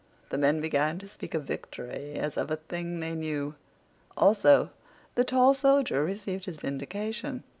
The men began to speak of victory as of a thing they knew. Also, the tall soldier received his vindication.